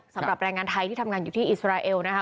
สำหรับแรงงานไทยที่ทำงานอยู่ที่อิสราเอลนะคะ